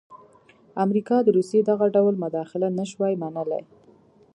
امریکا د روسیې دغه ډول مداخله نه شوای منلای.